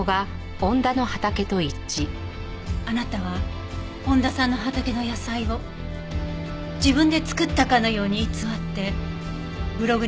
あなたは恩田さんの畑の野菜を自分で作ったかのように偽ってブログに載せていたんですね。